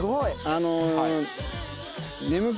あの。